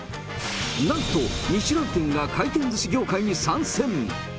なんと、ミシュラン店が回転ずし業界に参戦。